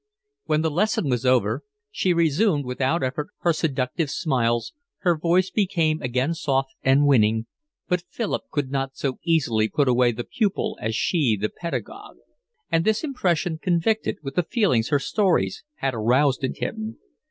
When the lesson was over she resumed without effort her seductive smiles, her voice became again soft and winning, but Philip could not so easily put away the pupil as she the pedagogue; and this impression convicted with the feelings her stories had aroused in him.